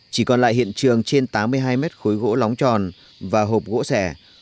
chỉ còn lại hiện trường trên tám mươi hai mét khối gỗ lóng tròn và hộp gỗ sẻ